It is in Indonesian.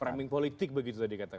framing politik begitu tadi katanya